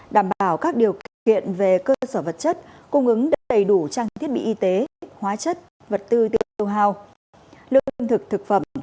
đảm bảo các điều kiện về cơ sở vật chất cung ứng đầy đủ trang thiết bị y tế hóa chất vật tư tiêu hao lương thực thực phẩm